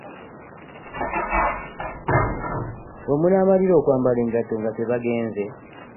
We munaamalira okwambala engatto nga tebagenze?